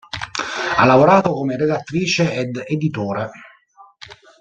Ha lavorato come redattrice ed editore.